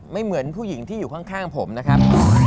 เหมือนผู้หญิงที่อยู่ข้างผมนะครับ